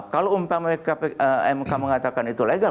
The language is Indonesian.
kalau umpama mk mengatakan itu legal